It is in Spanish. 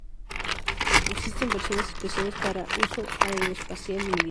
Existen versiones especiales para uso aeroespacial y militar.